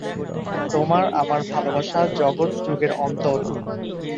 তোমার আমার ভালবাসা, জগত যুগের অন্তর